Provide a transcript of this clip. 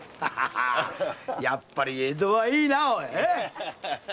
やっぱり江戸はいいなあ！